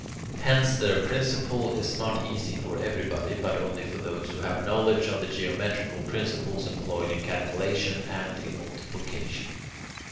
Hence their principle is not easy for everybody, but only for those who have knowledge of the geometrical principles employed in calculation and in multiplication.